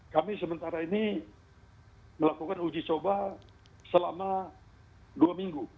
kami sementara ini melakukan uji coba selama dua minggu